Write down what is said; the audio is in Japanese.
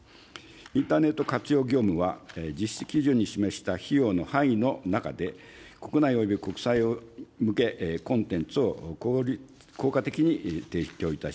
インターネット活用業務は、実施基準に示した費用の範囲の中で、国内および国際向けコンテンツを効果的に提供いたします。